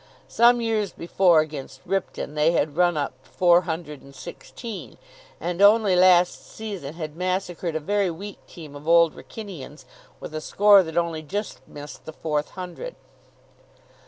Some years before, against Ripton, they had run up four hundred and sixteen; and only last season had massacred a very weak team of Old Wrykynians with a score that only just missed the fourth hundred.